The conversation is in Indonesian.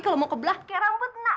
kalau mau kebelah kaya rambut nak